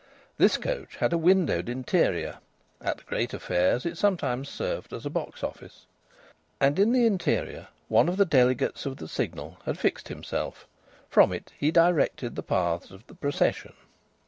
This coach had a windowed interior (at the greater fairs it sometimes served as a box office) and in the interior one of the delegates of the Signal had fixed himself; from it he directed the paths of the procession.